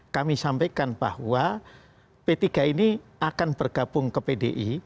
kami sampaikan bahwa p tiga ini akan bergabung ke pdi